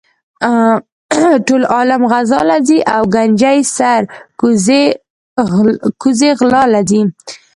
ټول عالم غزا لہ ځی او ګنجي سر کوزے غلا لہ ځی